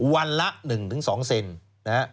วันละ๑๒เซน